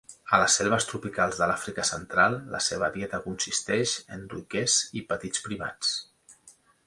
A les selves tropicals de l'Àfrica Central, la seva dieta consisteix en duiquers i petits primats.